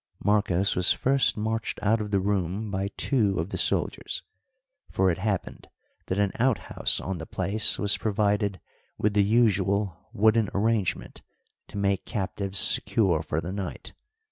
Marcos was first marched out of the room by two of the soldiers; for it happened that an outhouse on the place was provided with the usual wooden arrangement to make captives secure for the night.